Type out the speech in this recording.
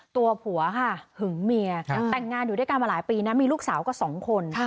ตัวผัวค่ะหึงเมียแต่งงานอยู่ด้วยกันมาหลายปีนะมีลูกสาวก็สองคน